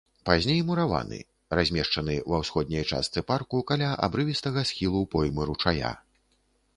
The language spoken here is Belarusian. Пазней мураваны, размешчаны ва ўсходняй частцы парку каля абрывістага схілу поймы ручая.